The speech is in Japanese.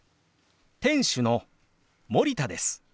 店主の森田です。